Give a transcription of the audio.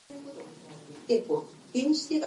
Digory, his parents and Uncle Andrew go and live there.